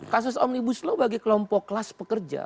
kasus omnibus law bagi kelompok kelas pekerja